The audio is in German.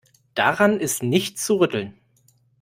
Daran ist nichts zu rütteln.